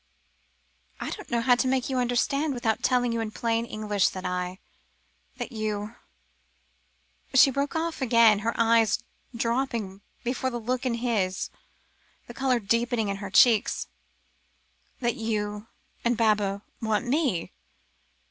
"I didn't know how to make you understand without telling you in plain English that I that you " She broke off again, her eyes dropping before the look in his, the colour deepening in her cheeks. "That you and Baba want me?"